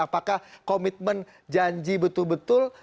apakah komitmen janji betul betul